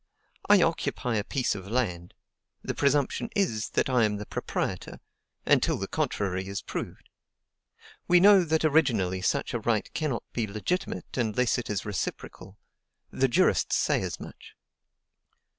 I occupy a piece of land; the presumption is, that I am the proprietor, until the contrary is proved. We know that originally such a right cannot be legitimate unless it is reciprocal; the jurists say as much.